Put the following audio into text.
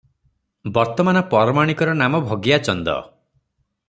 ବର୍ତ୍ତମାନ ପରମାଣିକର ନାମ ଭଗିଆ ଚନ୍ଦ ।